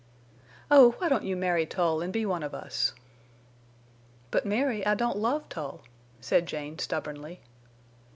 "Oh, why don't you marry Tull and be one of us?" "But, Mary, I don't love Tull," said Jane, stubbornly.